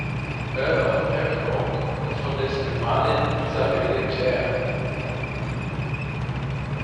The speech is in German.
Earl of Pembroke und von dessen Gemahlin Isabel de Clare.